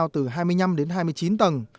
từ hai mươi năm đến hai mươi chín tầng